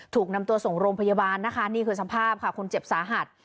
ถูกนำตัวส่งโรงพยาบาลนะคะนี่คือสภาพค่ะคนเจ็บสาหัส